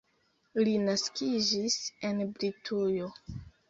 Li naskiĝis en Britujo.